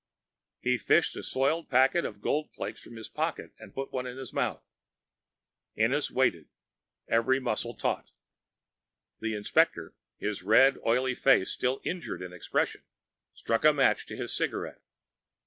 He fished a soiled package of Gold Flakes from his pocket and put one in his mouth. Ennis waited, every muscle taut. The inspector, his red, oily face still injured in expression, struck a match to his cigarette.